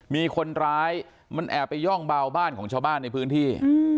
มีคนร้ายมันแอบไปย่องเบาบ้านของชาวบ้านในพื้นที่